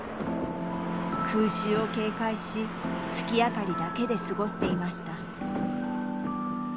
空襲を警戒し月明かりだけで過ごしていました